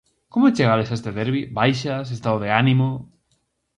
Como chegades a este derbi: baixas, estado de ánimo...?